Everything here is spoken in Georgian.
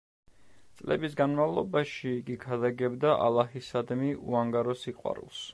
წლების განმავლობაში იგი ქადაგებდა ალაჰისადმი უანგარო სიყვარულს.